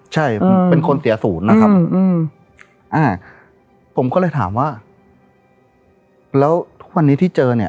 ใช่เป็นคนเสียศูนย์นะครับอืมอ่าผมก็เลยถามว่าแล้วทุกวันนี้ที่เจอเนี่ย